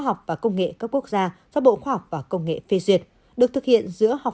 học và công nghệ các quốc gia do bộ khoa học và công nghệ phê duyệt được thực hiện giữa học